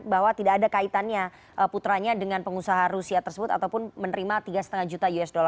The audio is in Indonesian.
bahwa tidak ada kaitannya putranya dengan pengusaha rusia tersebut ataupun menerima tiga lima juta usd